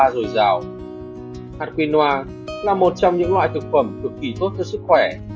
dồi dào hạt quinoa là một trong những loại thực phẩm cực kỳ tốt cho sức khỏe